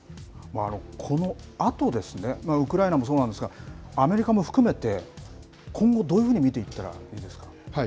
このあとですね、ウクライナもそうなんですが、アメリカも含めて、今後、どういうふうに見ていったらいいですか。